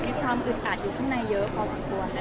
มีความอึดอาจอยู่ข้างในเยอะพอสมควร